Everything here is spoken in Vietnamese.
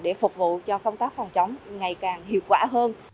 để phục vụ cho công tác phòng chống ngày càng hiệu quả hơn